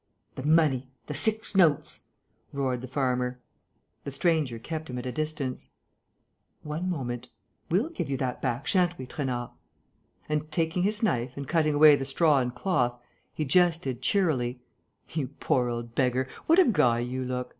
"The money! The six notes!" roared the farmer. The stranger kept him at a distance: "One moment ... we'll give you that back, sha'n't we, Trainard?" And, taking his knife and cutting away the straw and cloth, he jested, cheerily: "You poor old beggar, what a guy you look!